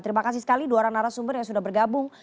terima kasih sekali dua orang narasumber yang sudah bergabung